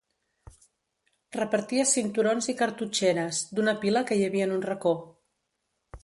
Repartia cinturons i cartutxeres, d'una pila que hi havia en un racó.